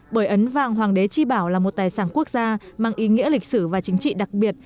bởi ấn vàng hoàng đế tri bảo là một tài sản quốc gia mang ý nghĩa lịch sử và chính trị đặc biệt